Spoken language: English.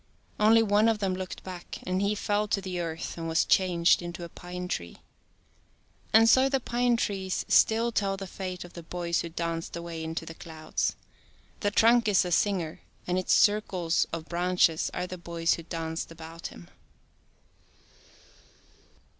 Only one of them looked back and he fell to the earth and was changed into a pine tree. And so the pine trees still tell the fate of the boys who danced away into the clouds. The trunk is the singer, and its circles of branches are the boys who danced about him.